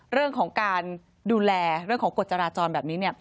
เรื่องของการดูแลเรื่องของกฎจราจรแบบนี้